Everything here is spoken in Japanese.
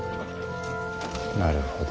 なるほど。